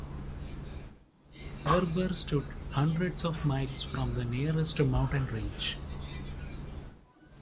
Erebor stood hundreds of miles from the nearest mountain range.